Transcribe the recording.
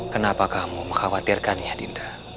kenapa kamu mengkhawatirkannya dinda